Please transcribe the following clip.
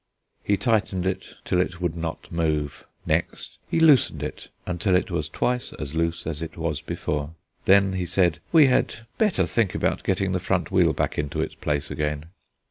He tightened it till it would not move; next he loosened it until it was twice as loose as it was before. Then he said we had better think about getting the front wheel back into its place again.